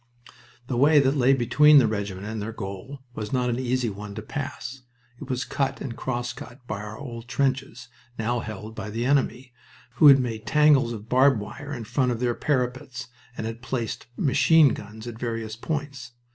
The way that lay between the regiment and their goal was not an easy one to pass. It was cut and crosscut by our old trenches, now held by the enemy, who had made tangles of barbed wire in front of their parapets, and had placed machine guns at various points.